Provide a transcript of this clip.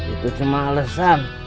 itu cuma alasan